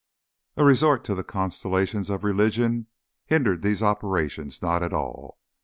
A resort to the consolations of religion hindered these operations not at all.